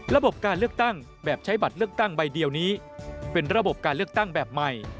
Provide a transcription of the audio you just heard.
ระบบการเลือกตั้งแบบใช้บัตรเลือกตั้งใบเดียวนี้เป็นระบบการเลือกตั้งแบบใหม่